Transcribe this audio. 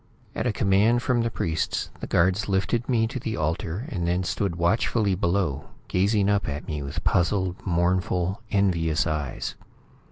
At a command from the priests, the guards lifted me to the altar and then stood watchfully below, gazing up at me with puzzled, mournful, envious eyes.